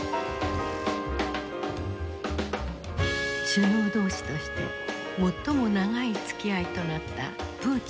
首脳同士として最も長いつきあいとなったプーチン大統領。